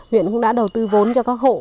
huyện cũng đã đầu tư vốn cho các hộ